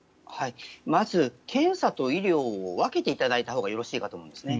まず、検査と医療を分けていただいたほうがよろしいかと思うんですね。